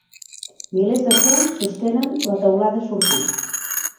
Milers de troncs sostenen la teulada sortint.